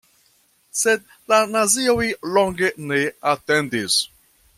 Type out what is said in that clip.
Sed la nazioj longe ne atendis.